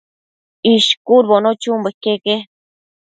ishcudbono chunbo iqueque